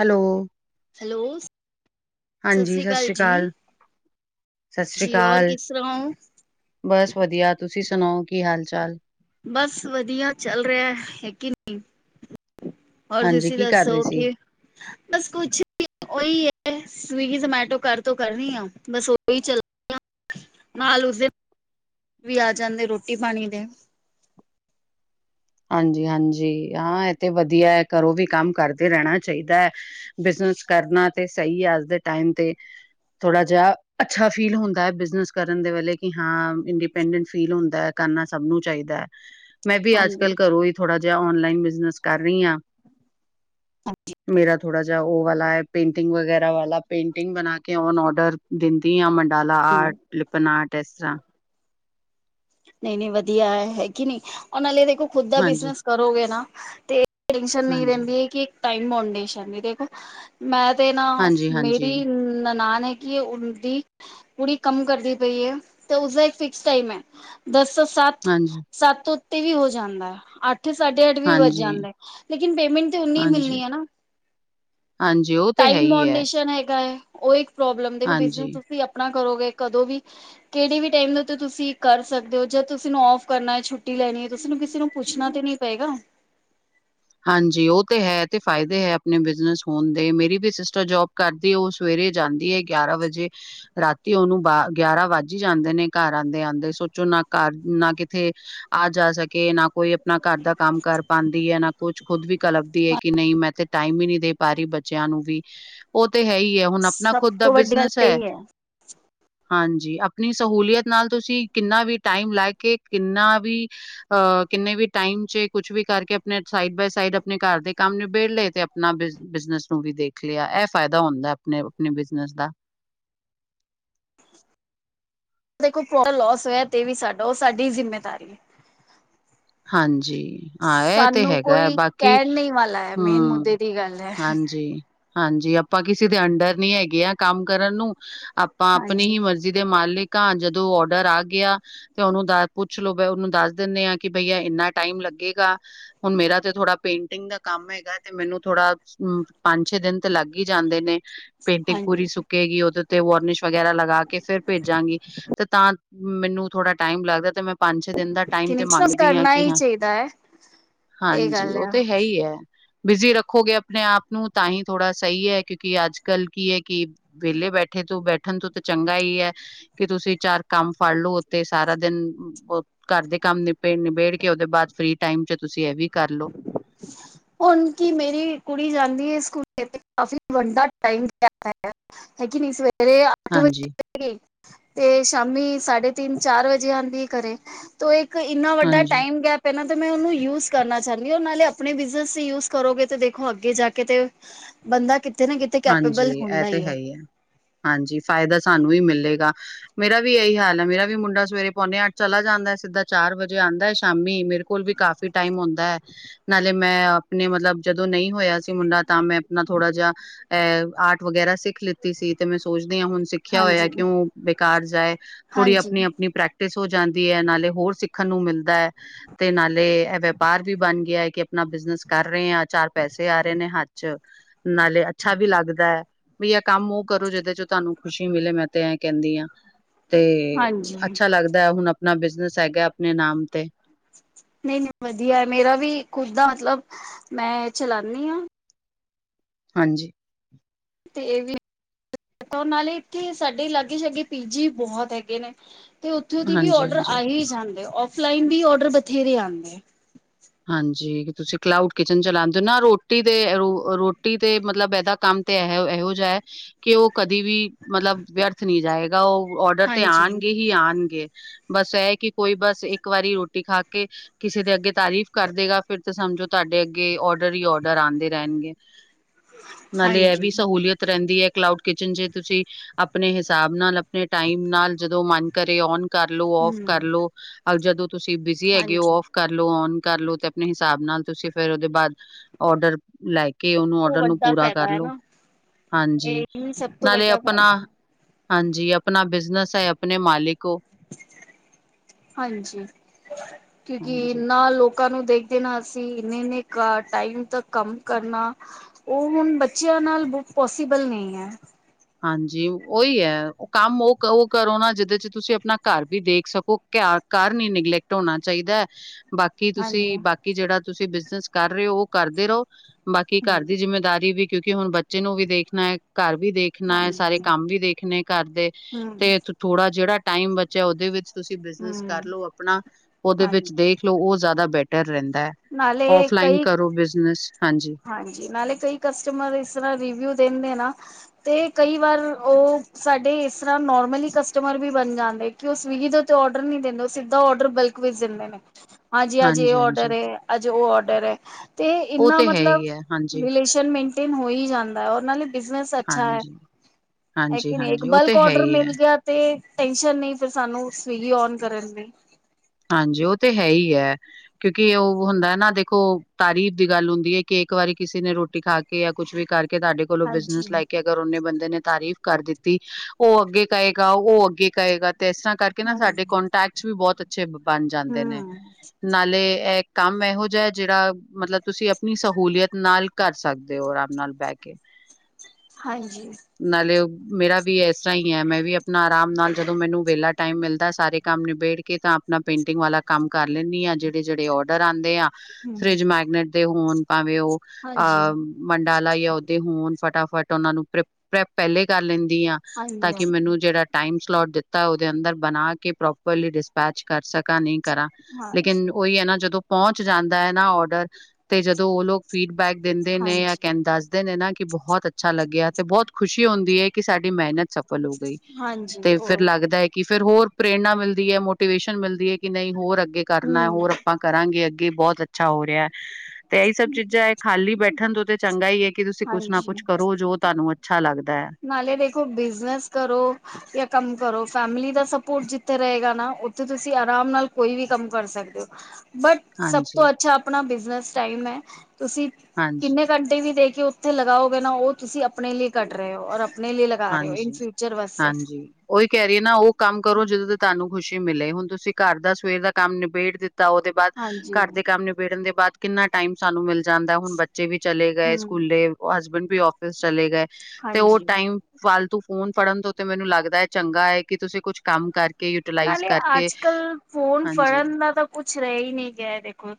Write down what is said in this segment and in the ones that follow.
Hello hello ਹਾਂਜੀ ਸਤਿ ਸ੍ਰੀ ਅਕਾਲ ਸਤਿ ਸ੍ਰੀ ਜੀ ਹੋਰ ਅਕਾਲ ਕਿਸ ਤਰ੍ਹਾਂ ਹੋ? ਬਸ ਵਧੀਆ ਤੁਸੀਂ ਸੁਣਾਓ ਕੀ ਹਾਲ ਚਾਲ ਬਸ ਵਧੀਆ ਚੱਲ ਰਿਹਾ ਹੈਕ ਨਹੀਂ ਔਰ ਹਾਂਜੀ ਤੁਸੀਂ ਕੀ ਕਰ ਰਹੀ ਦੱਸੋ ਸੀ? ਕਿ ਬਸ ਕੁਛ ਉਹੀ ਹੈ ਸਵੀਗੀ ਸਮੈਟੋ ਘਰ ਤੋਂ ਕਰੀ ਹ ਬਸ ਉਹੀ ਚੱਲ ਨਾਲ ਉਸਦੇ ਵੀ ਆ ਜਾਂਦੇ ਰੋਟੀ ਪਾਣੀ ਦੇ ਹਾਂਜੀ ਹਾਂਜੀ ਹਾਂ ਇਹ ਤੇ ਵਧੀਆ ਹੈ ਘਰੋਂ ਵੀ ਕੰਮ ਕਰਦੇ ਰਹਿਣਾ ਚਾਹੀਦਾ ਹੈ ਬਿਜਨਸ ਕਰਨਾ ਤੇ ਸਹੀ ਆ ਅੱਜ ਦੇ ਟਾਈਮ ਤੇ ਥੋੜਾ ਜਿਹਾ ਅੱਛਾ ਫੀਲ ਹੁੰਦਾ ਹੈ ਬਿਜਨਸ ਕਰਨ ਦੇ ਵੇਲੇ ਕਿ ਹਾਂ ਇੰਡੀਪੈਂਡੈਂਟ ਫੀਲ ਹੁੰਦਾ ਹੈ ਕਰਨਾ ਸਭ ਨੂੰ ਚਾਹੀਦਾ ਹੈ ਮੈਂ ਵੀ ਅੱਜ ਹਾਂਜੀ ਕੱਲ ਘਰੋਂ ਹੀ ਥੋੜਾ ਜਿਹਾ ਔਨਲਾਈਨ ਬਿਜਨਸ ਕਰ ਰਹੀ ਹ ਮੇਰਾ ਥੋੜਾ ਜਿਹਾ ਉਹ ਵਾਲਾ ਹੈ ਪੇਂਟਿੰਗ ਵਗੈਰਾ ਵਾਲਾ ਪੇਂਟਿੰਗ ਬਣਾ ਕੇ ਔਨ ਔਰਡਰ ਦਿੰਦੀ ਆ ਮੰੰਡਾਲਾ ਹੂੰ। ਆਰਟ ਲਿਪਨ ਆਰਟ ਇਸ ਤਰ੍ਹਾਂ ਨਹੀਂ ਨਹੀਂ ਵਧੀਆ ਹੈਗੀ ਨੀ ਉਹ ਹੇ ਦੇਖੋ ਖੁੱਦ ਦਾ ਹਾਂਜੀ ਬਿਜਨਸ ਕਰੋਗੇ ਨਾ ਤੇ ਟੈਨਸ਼ਨ ਨਹੀਂ ਹਾਂਜੀ ਰਹਿੰਦੀ ਕਿ ਟਾਈਮ ਮੋਡੇਸ਼ਨ ਨਹੀਂ ਦੇਖੋ ਮੈਂ ਤੇ ਨਾ ਹਾਂਜੀ ਹਾਂਜੀ ਮੇਰੀ ਨਨਾਨ ਨੇ ਕਿ ਉਹਦੀ ਕੁੜੀ ਕੰਮ ਕਰਦੀ ਪਈ ਹੈ ਤੇ ਉਸਦਾ ਇੱਕ ਫਿਕਸ ਟਾਈਮ ਹੈ ਦਸ ਸੌ ਸੱਤ ਹਾਂਜੀ ਸੱਤ ਉੱਤੇ ਵੀ ਹੋ ਜਾਂਦਾ ਹੈ ਅੱਠ ਉਥੇ ਸਾਡੇ ਅੱਠ ਵੀ ਵਜ ਹਾਂਜੀ ਜਾਂਦਾ ਹੈ ਲੇਕਿਨ ਪੇਮੈਂਟ ਤੇ ਉਨੀ ਹੀ ਹਾਂਜੀ ਮਿਲਣੀ ਨਾ ਹਾਂਜੀ ਉਹ ਤੇ ਹੈ ਟਾਈਮ ਹੀ ਹੈ ਬਾਂਡੇਸ਼ਨ ਹੈਗਾ ਹੈ ਉਹ ਇੱਕ ਪ੍ਰੋਬਲਮ ਦੇਖੋ ਬਿਜਨ ਹਾਂਜੀ ਤੁਸੀਂ ਆਪਣਾ ਕਰੋਗੇ ਕਦੋਂ ਵੀ ਕਿਹੜੇ ਵੀ ਟਾਈਮ ਦੇ ਉੱਤੇ ਤੁਸੀਂ ਕਰ ਸਕਦੇ ਹੋ ਜਦ ਤੁਸੀਂ ਨੂੰ ਫ ਕਰਨਾ ਹੈ ਛੁੱਟੀ ਲੈਣੀ ਹੈ ਤੁਸੀਂ ਨੂੰ ਕਿਸੇ ਨੂੰ ਪੁੱਛਣਾ ਤਾਂ ਨੀ ਪਏਗਾ ਹਾਂਜੀ ਉਹ ਤੇ ਹੈ ਤੇ ਫਾਇਦੇ ਹੈ ਆਪਣੇ ਬਿਜਨਸ ਹੋਣ ਦੇ ਮੇਰੀ ਵੀ ਸਿਸਟਰ ਜੋਬ ਕਰ ਤੇ ਉਹ ਸਵੇਰੇ ਜਾਂਦੀ ਹੈ ਗਿਆਰਾਂ ਵਜੇ ਰਾਤੀ ਉਹਨੂੰ ਬਾ ਗਿਆਰਾਂ ਵੱਜ ਹੀ ਜਾਂਦੇ ਨੇ ਘਰ ਆਉਂਦੇ ਆਉਂਦੇ ਸੋਚੋ ਨਾ ਘਰ ਨਾ ਕਿਥਤੇ ਆ ਜਾ ਸਕੇ ਨਾ ਕੋਈ ਆਪਣਾ ਘਰ ਦਾ ਕੰਮ ਕਰ ਪਾਉਂਦੀ ਹੈ ਨਾ ਕੁਛ ਖੁਦ ਵੀ ਕਲਪਦੀ ਹੈ ਕਿ ਨਹੀਂ ਮੈਂ ਤੇ ਟਾਈਮ ਹੀ ਨਹੀਂ ਦੇ ਪਾ ਰਹੀ ਬੱਚਿਆਂ ਨੂੰ ਵੀ ਉਹ ਤੇ ਹੈ ਹੀ ਹੈ ਹੁਣ ਆਪਣਾ ਸਭ ਖੁਦ ਦਾ ਤੋਂ ਵੱਡੀ ਗੱਲ ਬਿਜ਼ਨਸ ਇਹੀ ਹੈ ਹਾਂਜੀ ਆਪਣੀ ਸਹੂਲੀਅਤ ਨਾਲ ਤੁਸੀਂ ਕਿੰਨਾ ਵੀ ਟਾਈਮ ਲੈ ਕੇ ਕਿੰਨਾ ਵੀ ਅਹ ਕਿੰਨੇ ਵੀ ਟਾਈਮ ਚ ਕੁਛ ਵੀ ਕਰਕੇ ਆਪਣੇ ਸਾਈਡ ਬਾਏ ਸਾਈਡ ਆਪਣੇ ਘਰ ਦੇ ਕੰਮ ਨ ਬੇੜ ਲਏ ਤੇ ਆਪਣਾ ਬਿਜਨਸ ਨੂੰ ਵੀ ਦੇਖ ਲਿਆ ਇਹ ਫਾਇਦਾ ਹੁੰਦਾ ਆਪਣੇ ਆਪਣੇ ਬਿਜ਼ਨਸ ਦਾ ਦੇਖੋ ਪ੍ਰੋ ਲੋਸ ਹੋਇਆ ਤੇ ਵੀ ਸਾਡਾ ਉਹ ਸਾਡੀ ਜਿੰਮੇਦਾਰੀ ਹੈ ਹਾਂਜੀ ਹਾਂ ਇਹ ਤੇ ਸਾਨੂੰ ਹੈਗਾ ਹੈ ਕੋਈ ਬਾਕੀ ਕਹਿਣ ਨਹੀਂ ਵਾਲਾ ਹੈ ਮੇਨ ਹਮ ਮੁੱਦੇ ਦੀ ਗੱਲ ਹੈ ਹਾਂਜੀ ਹਾਂਜੀ ਆਪਾਂ ਕਿਸੇ ਦੇ ਅੰਡਰ ਨੀ ਹੈਗੇ ਆ ਕੰਮ ਕਰਨ ਨੂੰ ਆਪਾਂ ਆਪਣੀ ਹੀ ਹਾਂਜੀ ਮਰਜ਼ੀ ਜੀ ਦੇ ਮਾਲਿਕ ਹਾਂ ਜਦੋਂ ਔਡਰ ਆ ਗਿਆ ਤੇ ਉਹਨੂੰ ਦ ਪੁੱਛ ਲੋੋ ਬ ਉਹਨੂੰ ਦੱਸ ਦਿੰਦੇ ਹਾਂ ਕਿ ਬਈਆ ਇੰਨਾ ਟਾਈਮ ਲੱਗੇਗਾ ਹੁਣ ਮੇਰਾ ਤੇ ਥੋੜਾ ਪੇਂਟਿੰਗ ਦਾ ਕੰਮ ਹੈਗਾ ਤੇ ਮੈਨੂੰ ਥੋੜਾ ਪੰਜ ਛੇ ਦਿਨ ਤੇ ਲੱਗ ਹੀ ਜਾਂਦੇ ਨੇ ਪੇਂਟਿੰਗ ਹਾਂਜੀ ਪੂਰੀ ਸੁੱਕੇਗੀ ਉਹਦੇ ਵਾਰਰਨਿਸ਼ ਵਗੈਰਾ ਲਗਾ ਕੇ ਫਿਰ ਭੇਜਾਂਗੀ ਤੇ ਤਾਂ ਮੈਨੂੰ ਥੋੜਾ ਟਾਈਮ ਲੱਗਦਾ ਤੇ ਮੈਂ ਪੰਜ ਛੇ ਦਿਨ ਦਾ ਟਾਈਮ ਤੇ ਕਿੰਨੀ ਕੁ ਮੰਗਦੀ ਹ ਕਰਨਾ ਕਿ ਹੀ ਹਾਂ ਚਾਹੀਦਾ ਹੈ ਇਹ ਹਾਂਜੀ ਗੱਲ ਉਹ ਆ ਤੇ ਹੈ ਹੀ ਹੈ ਬਿਜ਼ੀ ਰੱਖੋਗੇ ਆਪਣੇ ਆਪ ਨੂੰ ਤਾਂ ਹੀ ਥੋੜ੍ਹਾ ਸਹੀ ਹੈ ਕਿਉਂਕਿ ਅੱਜ ਕੱਲ ਕੀ ਹੈ ਕਿ ਵਿਹਲੇ ਬੈਠੇ ਤੋਂ ਬੈਠਣ ਤੋਂ ਤਾਂ ਚੰਗਾ ਹੀ ਹੈ ਕੀ ਤੁਸੀਂ ਚਾਰ ਕੰਮ ਫੜ ਲੋ ਤੇ ਸਾਰਾ ਦਿਨ ਘਰ ਦੇ ਕੰਮ ਨਿਪੇ ਨਿਬੇੜ ਕੇ ਉਹਦੇ ਬਾਅਦ ਫਰੀ ਟਾਈਮ ਚ ਤੁਸੀਂ ਇਹ ਵੀ ਕਰਲੋ [inaudible] ਹੁਣ ਕੀ ਮੇਰੀ ਕੁੜੀ ਜਾਂਦੀ ਹੈ ਸਕੂ ਕਾਫੀ ਵੰਡਾ ਟ [unintelligible] ਹੈਗੀ ਨੀ ਸਵੇਰੇ ਅੱਠ ਹਾਂਜੀ, ਵਜੇ ਤੇ ਸ਼ਾਮੀ ਸਾਡੇ ਤਿੰਨ ਚਾਰ ਵਜੇ ਆਉਂਦੀ ਘਰੇ ਤ ਇੱਕ ਇੰਨਾ ਵੱਡਾ ਹਾਂਜੀ, ਟਾਈਮ ਗੈਪ ਹੈ ਨਾ ਤੇ ਮੈਂ ਉਹਨੂੰ ਯੂਜ ਕਰਨਾ ਚਾਹੁੰਦੀ ਉਹ ਨਾਲੇ ਆਪਣੇ ਬਿਜਨਸ ਹੀ ਯੂਜ ਕਰੋਗੇ ਤੇ ਦੇਖੋ ਅੱਗੇ ਜਾ ਕੇ ਤੇ ਬੰਦਾ ਕਿਤੇ ਨਾ ਕਿਤੇ ਕੈਪੇਬਲ ਹੁੰਦਾ ਹੀ ਹੈ ਹਾਂਜੀ ਫਾਇਦਾ ਸਾਨੂੰ ਹੀ ਮਿਲੇਗਾ ਮੇਰਾ ਵੀ ਇਹੀ ਹਾਲ ਹੈ ਮੇਰਾ ਵੀ ਮੁੰਡਾ ਸਵੇਰੇ ਪਾਉਂਨੇ ਹਾਂ ਅੱਠ ਚਲਾ ਜਾਂਦਾ ਸਿੱਧਾ ਚਾਰ ਵਜੇ ਆਉਂਦਾ ਹੈ ਸ਼ਾਮੀ ਮੇਰੇ ਕੋਲ ਵੀ ਕਾਫੀ ਟਾਈਮ ਆਉਂਦਾ ਹੈ ਨਾਲੇ ਮੈਂ ਆਪਣੇ ਮਤਲਬ ਜਦੋਂ ਨਹੀਂ ਹੋਇਆ ਸੀ ਮੁੰਡਾ ਤਾਂ ਮੈਂ ਆਪਣਾ ਥੋੜਾ ਜਿਹਾ ਅ ਆਰਟ ਵਗੈਰਾ ਸਿੱਖ ਲਿੱਤੀ ਸੀ ਤੇ ਮੈਂ ਸੋਚਦੀ ਹਾਂ ਹੁਣ ਦੇਖਿਆ ਹੋਇਆ ਹਾਂਜੀ ਕਿਉਂ ਬੇਕਾਰ ਜਾਏ ਥੋੜੀ ਹਾਂਜੀ ਆਪਣੀ ਆਪਣੀ ਪ੍ਰੈਕ ਪ੍ਰੈਕਟਿਸ ਹੋ ਜਾਂਦੀ ਹੈ ਨਾਲੇ ਹੋਰ ਸਿੱਖਣ ਨੂੰ ਮਿਲਦਾ ਹੈ। ਤੇ ਨਾਲੇ ਇਹ ਵਪਾਰ ਵੀ ਬਣ ਗਿਆ ਹੈ ਕਿ ਆਪਣਾ ਬਿਜਨਸ ਕਰ ਰਹੇ ਹਾਂ। ਚਾਰ ਪੈਸੇ ਆ ਰਹੇ ਨੇ ਹੱਥ ਚ ਨਾਲੇ ਅੱਛਾ ਵੀ ਲੱਗਦਾ ਹੈ ਵੀ ਇਹ ਕੰਮ ਉਹ ਕਰੋ ਜਿਹਦੇ ਚੋਂ ਤੁਹਾਨੂੰ ਖੁਸ਼ੀ ਮਿਲੇ ਮੈਂ ਤੇ ਐ ਕਹਿੰਦੀ ਹਾਂ। ਤੇ ਹਾਂਜੀ ਅੱਛਾ ਲੱਗਦਾ ਹੁਣ ਆਪਣਾ ਬਿਜਨਸ ਹੈਗਾ ਆਪਣੇ ਨਾਮ ਤੇ ਨਹੀਂ-ਨਹੀਂ ਵਧੀਆ ਮੇਰਾ ਵੀ ਖੁੱਦ ਦਾ ਮਤਲਬ ਮੈਂ ਚਲਾਉਦੀ ਹਾਂ। ਹਾਂਜੀ। ਤੇ ਇਹ ਵੀ ਨਾਲੇ ਇੱਥੇ ਸਾਡੇ ਲਾਗੇ ਚ ਅਗੇ ਪੀਜੀ ਬਹੁਤ ਹੈਗੇ ਨੇ ਤੇ ਉਥੋਂ ਵੀ ਹਾਂਜੀ ਡਰ ਹਾਂਜੀ ਆਏ ਜਾਂਦੇ। ਆਫਲਾਇਨ ਵੀ ਆਡਰ ਬਥੇਰੇ ਆਦੇ ਆ ਹਾਂਜੀ ਤੁਸੀਂ ਕਲਾਊਡ ਕਿਚਨ ਚਲਾਉਂਦੇ ਨਾ ਰੋਟੀ ਦੇ ਰ ਰੋਟੀ ਤੇ ਮਤਲਬ ਇਹਦਾ ਕੰਮ ਤੇ ਇਹੋ ਇਹੋ ਜਿਹਾ ਹੈ ਕਿ ਉਹ ਕਦੇ ਵੀ ਮਤਲਬ ਵਿ ਨਹੀਂ ਜਾਏਗਾ ਉਹ ਔਡਰ ਤੇ ਹਾਂਜੀ ਆਉਣਗੇ। ਹੀ ਆਉਣਗੇ ਬਸ ਇਹ ਕਿ ਕੋਈ ਬਸ ਇੱਕ ਵਾਰੀ ਰੋਟੀ ਖਾ ਕੇ ਕਿਸੇ ਦੇ ਅੱਗੇ ਤਾਰੀਫ਼ ਕਰਦੇਗਾ ਫਿਰ ਤਾਂ ਸਮਝੋ ਤੁਹਾਡੇ ਅੱਗੇ ਔਡਰ ਹੀ ਔਡਰ ਆਉਂਦੇ ਰਹਿਣਗੇ। ਨਾਲੇ ਇਹ ਵੀ ਹਾਂਜੀ ਸਹੂਲੀਅਤ ਰਹਿੰਦੀ ਹੈ ਕਲਾਊਡ ਕਿਚਨ ਜੇ ਤੁਸੀਂ ਆਪਣੇ ਹਿਸਾਬ ਨਾਲ ਆਪਣੇ ਟਾਈਮ ਨਾਲ ਜਦੋਂ ਮਨ ਕਰੇ ਓਨ ਕਰਲੋ ਫ ਹਮ ਕਰਲੋ ਅ ਜਦੋਂ ਤੁਸੀਂ ਬਿਜੀ ਹੈਗੇ ਹਾਂਜੀ ਹੋ ਫ ਕਰਲੋ ਓਨ ਕਰਲਓ ਤੇ ਆਪਣੇ ਹਿਸਾਬ ਨਾਲ ਤੁਸੀਂ ਫੇਰ ਉਹਦੇ ਬਾਅਦ ਔਡਰ ਲੈ ਕੇ ਉਹਨੂੰ ਉਹ ਔਡਰ ਨੂੰ ਵੱਡਾ ਪੂਰਾ ਫਾਇਦਾ ਹੈ ਕਰਲੋ ਨਾ ਹਾਂਜੀ ਇਹੀ ਸਭ ਤੋਂ ਨਾਲੇ ਵੱਡਾ ਆਪਣਾ ਫਾਇਦਾ ਹਾਂਜੀ ਆਪਣਾ ਬਿਜ਼ਨਸ ਹੈ ਆਪਣੇ ਮਾਲਿਕ ਹੋ। ਹਾਂਜੀ ਕਿਉਂਕਿ ਹਾਂਜੀ ਨਾ ਲੋਕ ਲੋਕਾਂ ਨੂੰ ਦੇਖਦੇ ਨਾ ਅਸੀਂ ਇੰਨੇ-ਇੰਨੇ ਟਾਈਮ ਤ ਕੰਮ ਕਰਨਾ। ਉਹ ਹੁਣ ਬੱਚਿਆਂ ਨਾਲ ਪੋਸੀਬਲ ਨਹੀਂ ਹੈ। ਹਾਂਜੀ ਉਹੀ ਹੈ ਉਹ ਕੰਮ ਉਹ ਉਹ ਕਰੋ ਨਾ ਜਿਹਦੇ ਚ ਤੁਸੀਂ ਆਪਣਾ ਘਰ ਵੀ ਦੇਖ ਸਕੋ। ਕ ਕਾਰ ਨੀ ਨਿਗਲੈਕਟ ਹੋਣਾ ਚਾਹੀਦਾ ਹੈ। ਬਾਕੀ ਹਾਂਜੀ ਤੁਸੀਂ ਬਾਕੀ ਜਿਹੜਾ ਤੁਸੀਂ ਬਿਜਨਸ ਕਰ ਰਹੇ ਹੋ ਉਹ ਕਰਦੇ ਰਹੋ। ਬਾਕੀ ਘਰ ਹਮ ਦੀ ਜਿੰਮੇਦਾਰੀ ਵੀ ਕਿਉਂਕਿ ਹੁਣ ਬੱਚੇ ਨੂੰ ਵੀ ਦੇਖਣਾ ਹੈ ਘਰ ਵੀ ਦੇਖ ਦੇਖਣਾ ਹੈ ਸਾਰੇ ਹਾਂਜੀ ਕੰਮ ਵੀ ਦੇਖਣੇ ਘਰ ਦੇ ਹੂੰ ਤੇ ਥੋੜਾ ਜਿਹੜਾ ਟਾਈਮ ਬਚਿਆ ਉਹਦੇ ਵਿੱਚ ਤੁਸੀਂ ਬਿਜਨਸ ਹੂੰ ਕਰ ਲਓ ਆਪਣਾ ਉਹਦੇ ਹਾਂਜੀ ਵਿੱਚ ਦੇਖਲੋ ਉਹ ਜ਼ਿਆਦਾ ਬੈਟਰ ਰਹਿੰਦਾ ਹੈ। ਨਾਲੇ ਆਫਲਾਈਨ ਕਈ ਕਰੋ ਬਿਜਨਸ ਹਾਂਜੀ। ਹਾਂਜੀ ਨਾਲੇ ਕਈ ਕਸਟਮਰ ਇਸ ਤਰ੍ਹਾਂ ਰਿਵਿਊ ਦਿੰਦੇ ਨਾ ਤੇ ਕਈ ਵਾਰ ਉਹ ਸਾਡੇ ਇਸ ਤਰ੍ਹਾਂ ਨੋਰਮਲੀ ਕਸਟਮਰ ਵੀ ਬਣ ਜਾਂਦੇ ਕਿ ਉਹ ਸਵਿਗੀ ਦੇ ਉੱਤੇ ਰਡਰ ਨਹੀਂ ਦਿੰਦੇ ਸਿੱਧਾ ਰਡਰ ਬਲਕ ਵੀ ਦਿੰਦੇ ਨੇ ਹਾਂਜੀ-ਹਾਂਜੀ ਇਹ ਹਾਂਜੀ ਔਡਰ ਹਾਂਜੀ ਜ ਉਹ ਔਡਰ ਹੈ ਤੇ ਉਹ ਇਨਾ ਤੇ ਹੈ ਮਤਲਬ ਹੀ ਹੈ ਹਾਂਜੀ ਰਿਲੇਸ਼ਨ ਮੇਨਟੇਨ ਹੋ ਹੀ ਜਾਂਦਾ ਹੈ। ਉਹਨਾਂ ਲਈ ਬਿਜਨਸ ਅੱਛਾ ਹੈ। ਹਾਂਜੀ ਹੈਕ ਨਹੀਂ ਇੱਕ ਹਾਂਜੀ-ਹਾਂਜੀ ਉਹ ਤੇ ਬਲਕ ਹੈ ਔਡਰ ਹੀ ਹੈ, ਮਿਲ ਗਿਆ। ਤੇ ਟੈਨਸ਼ਨ ਨਹੀਂ ਫਿਰ ਸਾਨੂੰ ਸਵੀਗੀ ਔਨ ਕਰਨ ਦੀ ਹਾਂਜੀ ਉਹ ਤੇ ਹੈ ਹੀ ਹੈ। ਕਿਉਂਕਿ ਉਹ ਹੁੰਦਾ ਹੈ ਨਾ ਦੇਖੋ ਤਾਰੀਫ਼ ਦੀ ਗੱਲ ਹੁੰਦੀ ਹੈ ਕਿ ਇੱਕ ਵਾਰੀ ਕਿਸੇ ਨੇ ਰੋਟੀ ਖਾ ਕੇ ਜਾਂ ਕੁੱਛ ਵੀ ਕਰਕੇ ਤੁਡੇ ਕੋਲੋਂ ਹਾਂਜੀ ਬਿਜਨਸ ਲੈ ਕੇ ਅਰ ਨੇ ਬੰਦੇ ਨੇ ਤਾਰੀਫ਼ ਕਰ ਦਿੱਤੀ ਉਹ ਅੱਗੇ ਕਹੇਗਾ ਉਹ ਅੱਗੇ ਕਹੇਗਾ ਤੇ ਇਸ ਤਰ੍ਹਾਂ ਕਰਕੇ ਨਾ ਸਾਡੇ ਹਾਂਜੀ ਕੋਂਟੈਕਟਸ ਵੀ ਬਹੁਤ ਅੱਛੇ ਬਣ ਜਾਂਦੇ ਨੇ ਹੂੰ, ਨਾਲੇ ਇਹ ਕੰਮ ਇਹੋ ਜਿਹਾ ਜਿਹੜਾ ਮਤਲਬ ਤੁਸੀਂ ਆਪਣੀ ਸਹੂਲੀਅਤ ਨਾਲ ਕਰ ਸਕਦੇ ਹੋ ਆਰਾਮ ਨਾਲ ਬਹਿ ਕੇ ਹਾਂਜੀ। ਨਾਲੇ ਮੇਰਾ ਵੀ ਇਸ ਤਰ੍ਹਾਂ ਹੀ ਹੈ ਮੈਂ ਵੀ ਆਪਣਾ ਆਰਾਮ ਨਾਲ ਜਦੋਂ ਮੈਨੂੰ ਵੇਲਾ ਟਾਈਮ ਮਿਲਦਾ ਕੰਮ ਨਿਬੇੜ ਕੇ ਤਾਂ ਨਾ ਪੇਂਟਿੰਗ ਵਾਲਾ ਕੰਮ ਕਰ ਲੈਦੀ ਆ ਜਿਹੜੇ ਜਿਹੜੇ ਆਰਡਰ ਆਉਂਦੇ ਆ ਹੂੰ, ਫਰਿਜ ਮੈਗਨੇਟ ਦੇ ਹੋਣ ਭਾਵੇਂ ਉਹ ਹਾਂਜੀ, ਹਾਂਜੀ, ਮੰਡਾਲਾ ਜਾਂ ਤੇ ਹੁਣ ਫਟਾਫਟ ਉਹਨਾਂ ਨੂੰ ਪਹਿਲੇ ਕਰ ਲੈਂਦੀ ਆ ਤਾਂ ਕਿ ਹਾਂਜੀ, ਮੈਨੂੰ ਜਿਹੜਾ ਟਾਈਮ ਸਲੋਟ ਦਿੱਤਾ ਉਹਦੇ ਅੰਦਰ ਬਣਾ ਕੇ ਪ੍ਰੋਪਰਲੀ ਰਿਸਪੈਚ ਕਰ ਨਹੀਂ ਕਰਾ ਲੇਕਿਨ ਹਾਂਜੀ, ਉਹੀ ਹ ਨਾ ਜਦੋਂ ਪਹੁੰਚ ਜਾਂਦਾ ਹ ਨਾ ਆਰਡਰ ਤੇ ਜਦੋਂ ਉਹ ਲੋਕ ਫੀਡਬੈਕ ਦਿੰਦੇ ਨੇ ਜਾਂ ਹਾਂਜੀ, ਕਹਿੰਦਾ ਤੇ ਨੇ ਨਾ ਕਿ ਬਹੁਤ ਅੱਛਾ ਲੱਗਿਆ ਤੇ ਬਹੁਤ ਖੁਸ਼ੀ ਹੁੰਦੀ ਹੈ ਕਿ ਸਾਡੀ ਮਿਹਨਤ ਸਫਲ ਹੋ ਗਈ ਹਾਂਜੀ ਤੇ ਫਿਰ ਔਰ ਲੱਗਦਾ ਹ ਕਿ ਫਿਰ ਹੋਰ ਪ੍ਰੇਰਣਾ ਮਿਲਦੀ ਹੈ ਮੋਟੀ ਮਿਲਦੀ ਹ ਕਿ ਨਹੀਂ ਹੋਰ ਅੱਗੇ ਕਰਨਾ ਹੂੰ, ਹੋਰ ਆਪਾਂ ਕਰਾਂਗੇ ਅੱਗੇ ਬਹੁਤ ਅੱਛਾ ਹੋ ਰਿਹਾ ਤੇ ਇਹ ਸਭ ਚੀਜ਼ਾਂ ਇਹ ਖਾਲੀ ਬੈਠਣ ਦੋ ਤੇ ਚੰਗਾ ਹੀ ਹ ਕਿ ਤੁਸੀਂ ਕੁਝ ਨਾ ਹਾਂਜੀ ਕੁਝ ਕਰੋ ਜੋ ਅੱਛਾ ਲੱਗਦਾ ਹੈ ਨਾਲੇ ਦੇਖੋ ਬਿਜਨਸ ਕਰੋ ਕੰਮ ਕਰੋ ਫੈਮਲੀ ਦਾ ਸਪੋਰਟ ਜਿੱਥੇ ਰਹੇਗਾ ਨਾ ਉੱਥੇ ਤੁਸੀਂ ਆਰਾਮ ਕੋਈ ਵੀ ਕੰਮ ਕਰ ਸਕਦੇ ਹੋ ਸਰ ਸਭ ਹਾਂਜੀ ਤੋਂ ਅੱਛਾ ਆਪਣਾ ਬਿਜਨਸ ਟਾਈਮ ਹੈ ਤੁਸੀਂ ਹਾਂਜੀ ਕਿੰਨੇ ਟੀਵੀ ਦੇਖ ਕੇ ਉੱਥੇ ਲਗਾਓਗੇ ਨਾ ਉਹ ਤੁਸੀਂ ਆਪਣੇ ਲਈ ਨਹੀਂ ਨਹੀਂ ਲਗਾ ਰਹੇ ਹੋ ਇਨ ਹਾਂਜੀ ਫਿਊਚਰ ਵਾਸਤੇ ਹਾਂਜੀ ਉਹੀ ਕਹਿ ਰਹੀ ਨਾ ਉਹ ਕੰਮ ਕਰੋ ਜਦੋਂ ਤ ਤੁਹਾਨੂੰ ਖੁਸ਼ੀ ਮਿਲੇ ਹੁਣ ਤੁਸੀਂ ਘਰ ਦਾ ਸਵੇਰ ਦਾ ਕੰਮ ਨਿਬੇੜ ਦਿੱਤਾ ਹਾਂਜੀ ਘਰ ਦੇ ਕੰਮ ਨਿਬੇੜਨ ਦੇ ਬਾਅਦ ਕਿੰਨਾ ਟਾਈਮ ਸਾਨੂੰ ਮਿਲ ਜਾਂਦਾ ਹੁਣ ਬੱਚੇ ਵੀ ਚਲੇ ਗਏ ਹੂੰ, ਸਕੂਲੇ ਹਸਬੈਂਡ ਵੀ ਆਫਿਸ ਚਲੇ ਗਏ ਤੇ ਉਹ ਹਾਂਜੀ ਟਾਈਮ ਫਾਲਤੂ ਫੋਨ ਫੜਨ ਤੋਤੇ ਮੈਨੂੰ ਲੱਗਦਾ ਚੰਗਾ ਹ ਕਿ ਤੁਸੀਂ ਕੁਝ ਕੰਮ ਯੂਟੀਲਾਈਜ਼ ਨਾਲੇ ਕਰਕੇ ਅੱਜ ਕੱਲ ਫੋਨ ਹਾਂਜੀ ਫੜਨ ਮੈਂ ਤਾਂ ਪੁੱਛ ਰਹੇ ਹੀ ਨਹੀਂ ਜੇ ਦੇਖੋ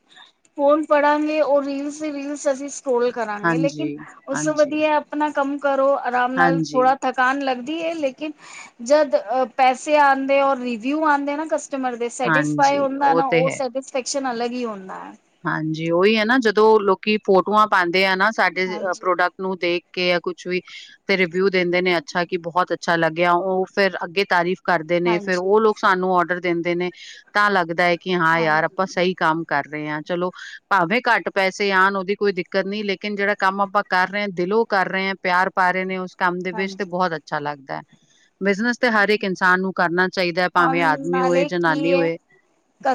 ਫੋਨ ਪੜਾਂਗੇ ਉਹ ਰੀਲ ਸੇ ਵੀਲਸ ਅਸੀਂ ਸਕੋਲ ਕਰਾਂਗੇ ਲੇਕਿਨ ਹਾਂਜੀ ਉਸ ਤੋਂ ਹਾਂਜੀ ਵਧੀਆ ਆਪਣਾ ਕੰਮ ਕਰੋ ਆਰਾਮ ਨਾਲ ਹਾਂਜੀ ਥੋੜਾ ਕਾਣ ਲੱਗਦੀ ਹ ਲੇਕਿਨ ਜਦ ਪੈਸੇ ਆਉਂਦੇ ਔਰ ਰਿਵਿਊ ਆਂਦੇ ਨਾ ਕਸਟਮਰ ਸੈਟਿਸਫਾਈ ਹਾਂਜੀ ਹੋਣ ਦਾ ਨਾ ਤੇ ਉਹ ਹੈ ਸਰਵਿਸਫੈਕਸ਼ਨ ਅਲਗ ਹੀ ਹੁੰਦਾ ਹਾਂਜੀ ਉਹੀ ਹੈ ਨਾ ਜਦੋਂ ਲੋਕੀ ਫੋਟੋਆਂ ਪਾਉਂਦੇ ਆ ਨਾ ਸਾਡੇ ਹਾਂਜੀ ਪ੍ਰੋਡਕਟ ਨੂੰ ਦੇਖ ਕੇ ਜਾ ਕੁਝ ਵੀ ਰਿਵਿਊ ਦਿੰਦੇ ਨੇ ਅੱਛਾ ਕਿ ਬਹੁਤ ਅੱਛਾ ਲੱਗਿਆ ਉਹ ਫਿਰ ਅੱਗੇ ਤਾਰੀਫ ਕਰਦੇ ਨੇ, ਫਿਰ ਹਾਂਜੀ ਉਹ ਲੋਕ ਸਾਨੂੰ ਆਰਡਰ ਦਿੰਦੇ ਨੇ, ਤਾਂ ਲੱਗਦਾ ਹ ਕਿ ਹਾਂ ਯਾਰ ਆਪਾਂ ਹਾਂਜੀ ਸਹੀ ਕੰਮ ਕਰ ਰਹੇ ਆਂ, ਚਲੋ ਭਾਵੇ ਘੱਟ ਪੈਸੇ ਆਣ, ਉਹਦੀ ਕੋਈ ਦਿੱਕਤ ਨਹੀਂ ਲੇਕਿਨ ਜਿਹੜਾ ਕੰਮ ਆਪਾਂ ਕਰ ਰਹੇ ਆ, ਦਿਲੋਂ ਕਰ ਰਹੇ ਆਂ ਪਿਆਰ ਪਾ ਰਹੇ ਨੇ ਉਸ ਕੰਮ ਦੇ ਵਿੱਚ ਤੇ ਹਾਂਜੀ ਬਹੁਤ ਅੱਛਾ ਲੱਗਦਾ, ਬਿਜਨਸ ਤੇ ਹਰ ਇੱਕ ਇਨਸਾਨ ਨੂੰ ਕਰਨਾ ਚਾਹੀਦਾ ਭਾਵੇਂ ਔਰ ਆਦਮੀ ਹੋਵੇ ਨਾਲੇ ਜਨਾਨੀ ਹੋਵੇ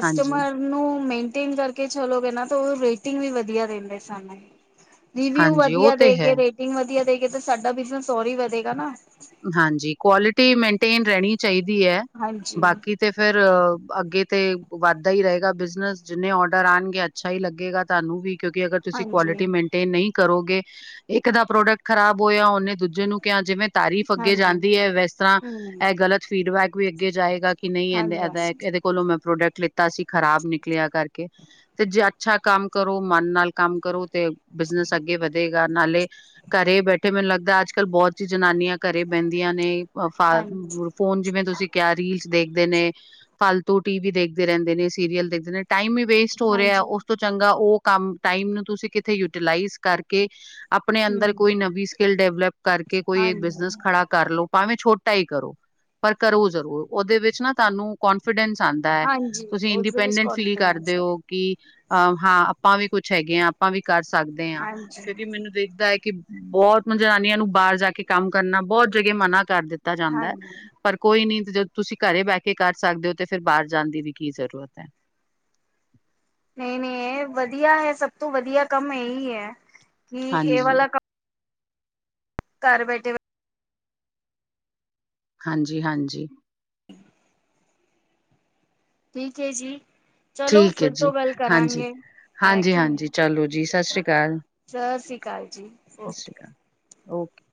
ਹਾਂਜੀ ਨੋਂ, ਮੇਨਟੇਨ ਕਰਕੇ ਚਲੋਗੇ ਨਾ, ਤਾਂ ਉਹ ਰੇਟਿੰਗ ਵੀ ਵਧੀਆ ਰਹਿੰਦੇ ਸਾੰਨੁ। ਰਿਵੀਯੁ ਹਾਂਜੀ ਉਹ ਵਧੀਆ ਤੇ ਹੈ ਦੇਗੇ, ਰੇਟੀਂਗ ਦੇਗੇ ਤਾ ਸਾਡਾ ਬਿਜਨਸ ਔਰ ਹੀ ਵਧੇਗਾ ਨਾ। ਹਾਂਜੀ, ਕੁਆਲਿਟੀ ਮੇਨਟੇਨ ਰਹਿਣੀ ਚਾਹੀਦੀ ਹੈ, ਹਾਂਜੀ, ਬਾਕੀ ਤੇ ਫਿਰ, ਅੱਗੇ ਤੇ ਵੱਧਦਾ ਹੀ ਰਹੇਗਾ ਬਿਜ਼ਨਸ, ਜਿੰਨੇ ਆਰਡਰ ਆਣਗੇ ਤੇ ਛਾ ਈ ਲੱਗੇਗਾ ਤੁਹਾਨੂੰ ਵੀ, ਕਿਉਂਕਿ ਅਗਰ ਤੁਸੀਂ ਹਾਂਜੀ, ਕੁਆਲਿਟੀ ਮੇਨਟੇਨ ਨਹੀਂ ਕਰੋਗੇ, ਇੱਕ ਦਾ ਪ੍ਰੋਡਕਟ ਖਰਾਬ ਹੋਇਆ, ਉਹਨੇ ਦੂਜੇ ਨੂੰ ਕਿਹਾ ਜਿਵੇਂ ਤਾਰੀਫ ਅੱਗੇ ਹਾਂਜੀ। ਹੂੰ, ਜਾਂਦੀ ਏ, ਵੈਸ ਤਰ੍ਹਾਂ, ਇਹ ਗਲਤ ਫੀਡਬੈਕ ਵੀ ਅੱਗੇ ਜਾਏਗਾ। ਕਿ ਨਹੀਂ ਇਹਨੇ, ਇਹਦਾ, ਹਾਂਜੀ-ਹਾਂਜੀ, ਇਹਦੇ ਦੇ ਕੋਲੋਂ ਮੈਂ ਪ੍ਰੋਡਕਟ ਲਿੱਤਾ ਸੀ, ਖਰਾਬ ਨਿਕਲਿਆ ਕਰਕੇ, ਤੇ ਜੇ ਅੱਛਾ ਕੰਮ ਕਰੋ ਮਨ ਨਾਲ ਕੰਮ ਕਰੋ ਤੇ, ਬਿਜ਼ਨਸ ਅੱਗੇ ਵਧੇਗਾ ਨਾਲੇ, ਘਰੇ ਬੈਠੇ ਮੈਨੁ ਲੱਗਦਾ ਅੱਜ-ਕੱਲ ਬਹੁਤ ਚੀ ਜਨਾਨੀਆਂ ਘਰੇ ਬਹਿੰਦੀਆਂ ਨੇ, ਫਾਰ ਹਾਂਜੀ, ਫੋਨ ਜਿਵੇਂ ਤੁਸੀਂ ਕਿਹਾ ਰੀਲਸ ਦੇਖਦੇ ਨੇ। ਫਾਲਤੂ ਟੀਵੀ ਦੇਖਦੇ ਰਹਿੰਦੇ ਨੇ, ਸੀਰੀਅਲ ਦੇਖਦੇ ਨੇ ਟਾਈਮ ਈ ਵੇਸਟ ਹੋ ਰਿਹਾ, ਹਾਂਜੀ। ਹਾਂਜੀ। ਉਸ ਤੋਂ ਚੰਗਾ ਉਹ ਕੰਮ ਟਾਈਮ ਨੂੰ, ਤੁਸੀਂ ਕਿਥੇ ਯੂਟੀਲਾਈਜ਼ ਕਰਕੇ ਆਪਣੇ ਅੰਦਰ ਹੂੰ, ਕੋਈ ਨਵੀ ਸਕਿੱਲ ਡਿਵਲਪ ਕਰਕੇ, ਕੋਈ ਹਾਂਜੀ, ਬਿਜ਼ਨਸ ਖੜਾ ਕਰ ਲਓ, ਭਾਵੇਂ ਛੋਟਾ ਹੀ ਕਰੋ। ਪਰ ਕਰੋ ਜ਼ਰੂਰ, ਉਹਦੇ ਵਿੱਚ ਨਾ ਤੁਹਾਨੂੰ ਕੋਂਨਫੀਡੈਂਸ ਆਂਦਾ ਐ। ਹਾਂਜੀ ਤੁਸੀਂ ਉਸਦੇ ਵਿੱਚ ਇੰਡੀਪੈਂਡੈਂਟ ਫੀਲ ਕੋਨਫੀਡੈਂਸ ਕਰਦੇ ਹੋ। ਕੀ, ਅਹ ਹਾਂ, ਆਪਾਂ ਵੀ ਕੁੱਛ ਹੈਗੇ ਹਾ, ਆਪਾਂ ਵੀ ਕਰ ਸਕਦੇ ਹਾਂ, ਹਾਂਜੀ, ਕਿਉਂਕਿ ਮੈਨੂੰ ਦੇਖਦਾ ਹੈ, ਕੀ ਬਹੁਤ ਜਨਾਨੀਆਂ ਨੂੰ ਬਾਹਰ ਜਾਕੇ ਕੰਮ ਕਰਨਾ, ਬਹੁਤ ਜਗ੍ਹੇ ਮਨਾ ਕਰ ਦਿੱਤਾ ਜਾਂਦਾ‌। ਹਾਂਜੀ। ਪਰ ਕੋਈ ਨੀ ਜਦ ਤੁਸੀਂ ਘਰੇ ਬਹਿਕੇ ਕਰ ਸਕਦੇ ਹੋ, ਤੇ ਫਿਰ ਬਾਹਰ ਜਾਣ ਦੀ ਵੀ, ਕੀ ਜ਼ਰੂਰਤ ਹੈ। ਨਹੀਂ-ਨਹੀਂ, ਇਹ ਵਧੀਆ ਹੈ ਸਭ ਤੋਂ ਵਧੀਆ ਕੰਮ ਇਹੀ ਹੈ, ਕਿ ਇਹ ਹਾਂਜੀ ਵਾਲਾ ਕੰਮ ਘਰ ਬੈਠੇ ਹਾਂਜੀ-ਹਾਂਜੀ। ਠੀਕ ਏ ਜੀ, ਚਲੋ ਠੀਕ ਹੈ ਫਿਰ ਤੋਂ ਜੀ ਗੱਲ ਹਾਂਜੀ ਕਰਾਂਗੇ। ਹੈ ਹਾਂਜੀ ਕਿ ਨੀ, ਹਾਂਜੀ ਚਲੋ ਜੀ ਸਤਿ ਸ੍ਰੀ ਅਕਾਲ ਸਤਿ ਸ੍ਰੀ ਅਕਾਲ ਜੀ। ਸਤਿ ਸ੍ਰੀ ਓਕੇ। ਅਕਾਲ ਓਕੇ।